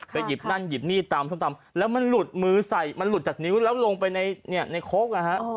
หยิบนั่นหยิบนี่ตามส้มตำแล้วมันหลุดมือใส่มันหลุดจากนิ้วแล้วลงไปในโค้กนะฮะ